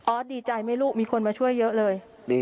ดีใจไหมลูกมีคนมาช่วยเยอะเลย